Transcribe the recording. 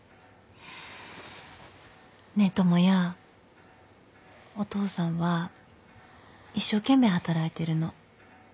ねえ智也お父さんは一生懸命働いてるの。